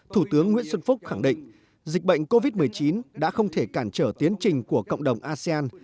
thủ tướng nguyễn xuân phúc khẳng định dịch bệnh covid một mươi chín đã không thể cản trở tiến trình của cộng đồng asean